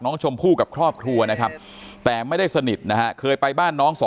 น้องชมพู่กับครอบครัวนะครับแต่ไม่ได้สนิทนะฮะเคยไปบ้านน้อง